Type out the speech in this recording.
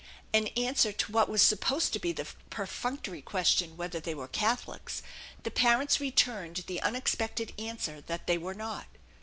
In answer to what was supposed to be the perfunctory question whether they were Catholics, the parents returned the unexpected answer that they were not.